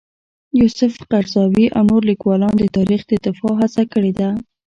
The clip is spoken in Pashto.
یوسف قرضاوي او نور لیکوالان د تاریخ د دفاع هڅه کړې ده.